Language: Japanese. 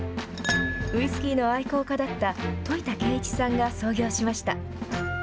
ウイスキーの愛好家だった樋田恵一さんが創業しました。